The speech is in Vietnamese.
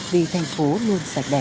vì thành phố luôn sạch đẹp